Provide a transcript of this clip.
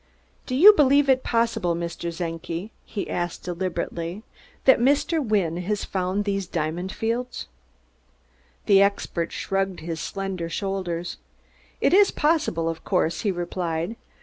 "Do you believe it possible, Mr. Czenki," he asked deliberately, "that Mr. Wynne has found these diamond fields?" The expert shrugged his slender shoulders. "It is possible, of course," he replied.